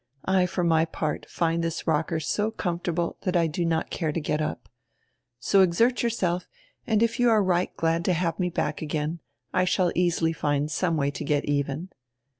I for my part find this rocker so comfortable that I do not care to get up. So exert yourself and if you are right glad to have me back again I shall easily find some way to get even."